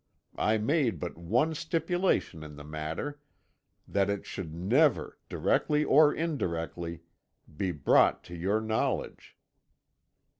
I made but one stipulation in the matter that it should never, directly or indirectly, be brought to your knowledge.'